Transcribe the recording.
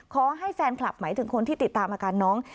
ขอให้แฟนคลับหมายถึงคนที่ติดตามอาการน้อง